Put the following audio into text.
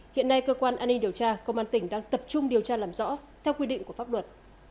hiện nay cơ quan an ninh điều tra công an tỉnh đang tập trung điều tra làm rõ theo quy định của pháp luật